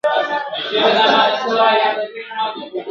نور مي پر تنه باندي یادګار نومونه مه لیکه !.